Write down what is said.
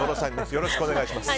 よろしくお願いします。